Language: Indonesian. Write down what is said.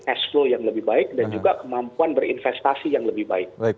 cash flow yang lebih baik dan juga kemampuan berinvestasi yang lebih baik